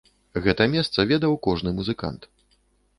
Гэта месца ведаў кожны музыкант.